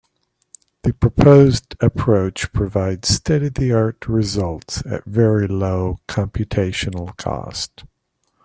The proposed approach provides state-of-the-art results at very low computational cost.